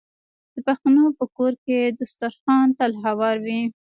د پښتنو په کور کې دسترخان تل هوار وي.